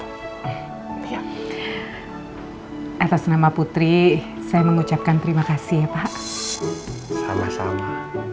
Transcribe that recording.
hai atas nama putri saya mengucapkan terima kasih ya pak sama sama